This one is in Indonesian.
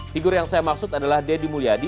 figur yang saya maksud adalah deddy mulyadi